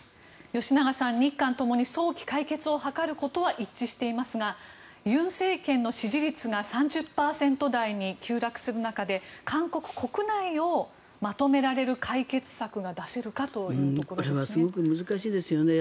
吉永さん、日韓ともに早期解決を図ることは一致していますが尹政権の支持率が３０％台に急落する中で韓国国内をまとめられる解決策が出せるかというところですね。